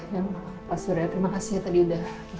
ya pak surya terima kasih tadi udah